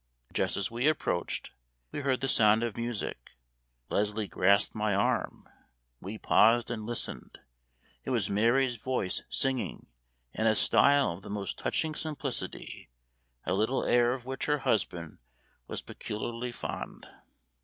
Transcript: Just as we approached, we heard the sound of music Leslie grasped my arm; we paused and listened. It was Mary's voice singing, in a style of the most touching simplicity, a little air of which her husband was peculiarly fond.